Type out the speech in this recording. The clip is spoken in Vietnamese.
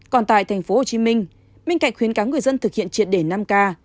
còn tại tp hcm bên cạnh khuyến cáo người dân thực hiện triệt đề năm k